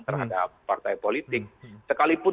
terhadap partai politik sekalipun